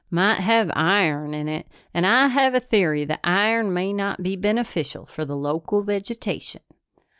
Might have iron in it and I have a theory that iron may not be beneficial for the local vegetation."